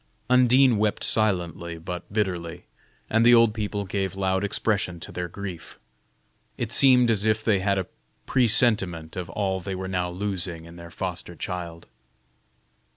Undine wept silently but bitterly, and the old people gave loud expression to their grief. It seemed as if they had a presentiment of all they were now losing in their foster child.